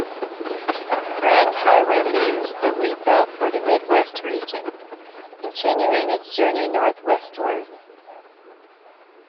Brand Highway leaves the Wheatbelt for the Mid West region, continuing its journey north-westwards.